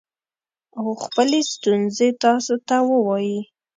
او خپلې ستونزې تاسو ته ووايي